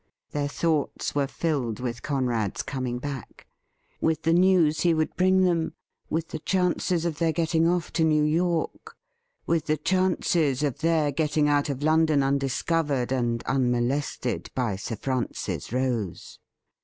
Their thoughts were filled with Conrad's coming back ; with the news he would bring them ; with the chances of their getting pff to New York ; with the 29a THE RIDDLE RING chances of their getting out of London undiscovered and unmolested by Sir Francis Rose.